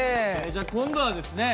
じゃあ今度はですね